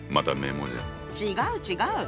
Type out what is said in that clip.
違う違う！